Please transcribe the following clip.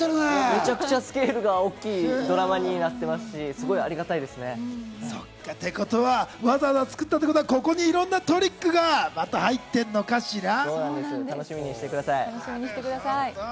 めちゃくちゃスケールが大きいドラマになってますし、すごくありがたいですね。ってことは、わざわざ作ったってことは、ここにいろんなトリックが入ってるのかしら。